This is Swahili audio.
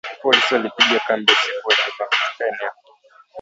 Polisi walipiga kambi usiku wa Ijumaa katika eneo